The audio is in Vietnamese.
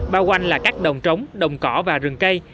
bao quanh là các đồng trống đồng cỏ và rừng cây